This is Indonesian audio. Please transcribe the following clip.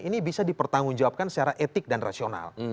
ini bisa dipertanggung jawabkan secara etik dan rasional